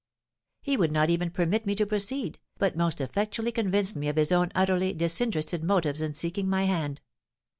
He would not even permit me to proceed, but most effectually convinced me of his own utterly disinterested motives in seeking my hand.